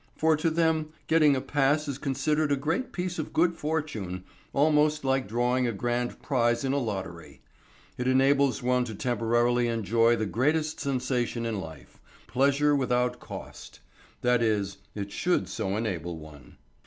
For to them getting a pass is considered a great piece of good fortune, almost like drawing a grand small prize in a lottery. It enables one to temporarily enjoy the greatest sensation in life: pleasure without cost. That is, it should so enable one.